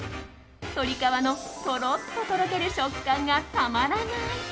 鳥皮の、とろっととろける食感がたまらない！